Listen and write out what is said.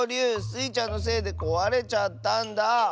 スイちゃんのせいでこわれちゃったんだ。